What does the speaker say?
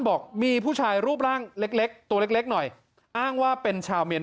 บอกมีผู้ชายรูปร่างเล็กตัวเล็กหน่อยอ้างว่าเป็นชาวเมียน